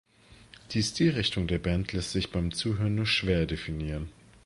Die Stilrichtung der Band lässt sich beim Zuhören nur schwer definieren.